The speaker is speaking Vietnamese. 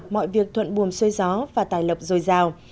mọi việc thuận buồm xuôi gió và tài lộc dồi dào